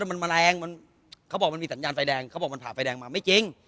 ถามว่ารถมันแมลงเขาบอกว่ามันมีสัญญาณไฟแดงมากมายไม่จริง